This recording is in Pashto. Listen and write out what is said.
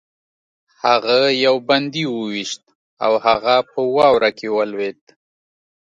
هغه یو بندي وویشت او هغه په واوره کې ولوېد